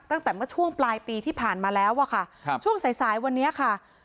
ตั้งแต่เมื่อช่วงปลายปีที่ผ่านมาแล้วอะค่ะครับช่วงสายสายวันนี้ค่ะ